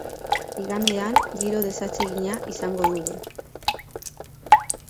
Igandean giro desatsegina izango dugu.